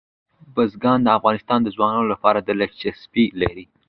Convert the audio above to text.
بزګان د افغان ځوانانو لپاره دلچسپي لري.